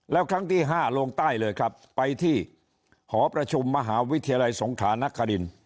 แล้วครั้งที่๕ลงใต้เลยครับไปที่หอประชุมมหาวิทยาลัยสงขานคริน